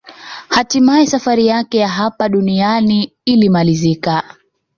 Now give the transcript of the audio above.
Hatimaye safari yake ya hapa duniani ilimalizika